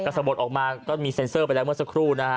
สะบดออกมาก็มีเซ็นเซอร์ไปแล้วเมื่อสักครู่นะฮะ